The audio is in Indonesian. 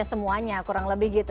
semuanya kurang lebih gitu